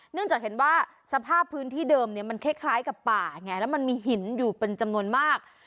จากเห็นว่าสภาพพื้นที่เดิมเนี่ยมันคล้ายกับป่าไงแล้วมันมีหินอยู่เป็นจำนวนมาก